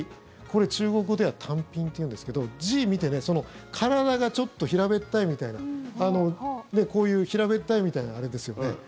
これ、中国語ではタンピンっていうんですけど字を見て体がちょっと平べったいみたいなこういう平べったいみたいなあれですよね。